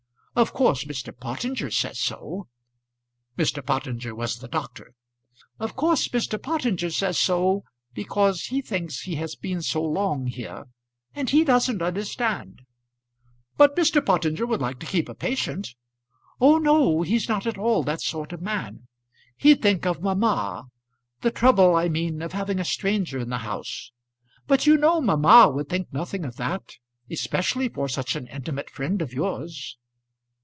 Of course Mr. Pottinger says so " Mr. Pottinger was the doctor. "Of course Mr. Pottinger says so, because he thinks he has been so long here, and he doesn't understand." "But Mr. Pottinger would like to keep a patient." "Oh no; he's not at all that sort of man. He'd think of mamma, the trouble I mean of having a stranger in the house. But you know mamma would think nothing of that, especially for such an intimate friend of yours."